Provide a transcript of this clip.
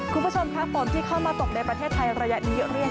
คุณผู้ชมครับฝนที่เข้ามาตกในประเทศไทยระยะมีเยอะเรียก